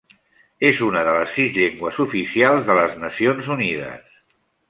És una de les sis llengües oficials de les Nacions Unides.